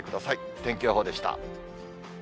天気予報でした。